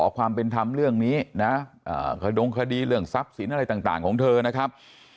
ความเป็นธรรมเรื่องนี้นะขดงคดีเรื่องทรัพย์สินอะไรต่างของเธอนะครับ